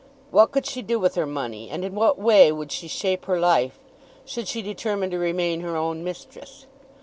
What could she do with her money, and in what way would she shape her life, should she determine to remain her own mistress?